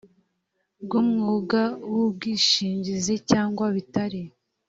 bw umwuga w ubwishingizi cyangwa bitari